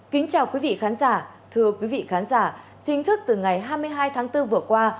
kính chào quý vị khán giả thưa quý vị khán giả chính thức từ ngày hai mươi hai tháng bốn vừa qua